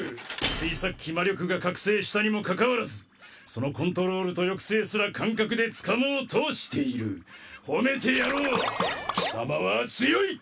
ついさっき魔力が覚醒したにもかかわらずそのコントロールと抑制すら感覚でつかもうとしているほめてやろう貴様は強い！